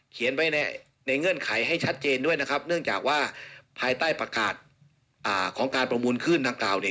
เขียนไว้ชัดเจนอยู่แล้ว